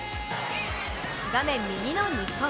画面右の日本。